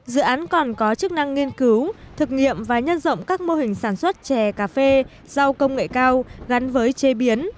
dự án còn có chức năng nghiên cứu thực nghiệm và nhân rộng các mô hình sản xuất chè cà phê rau công nghệ cao gắn với chế biến